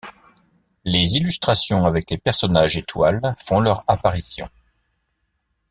Les illustrations avec les personnages étoiles font leur apparition.